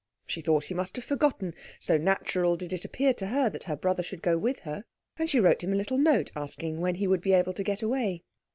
She thought he must have forgotten, so natural did it appear to her that her brother should go with her; and she wrote him a little note, asking when he would be able to get away.